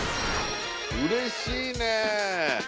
うれしいね。